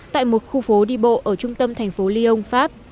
tại một khu phố đi bộ ở trung tâm thành phố lyon pháp